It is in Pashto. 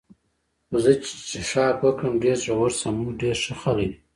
خو زه چې څښاک وکړم ډېر زړور شم، موږ ډېر ښه خلک یو.